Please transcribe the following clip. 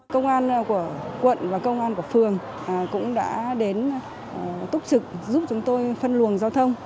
công an của quận và công an của phường cũng đã đến túc trực giúp chúng tôi phân luồng giao thông